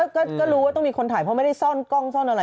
ก็รู้ว่าต้องมีคนถ่ายเพราะไม่ได้ซ่อนกล้องซ่อนอะไร